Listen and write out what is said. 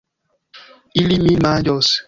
Ili min manĝos.